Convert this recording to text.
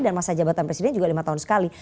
dan masa jabatan presiden juga lima tahun sekali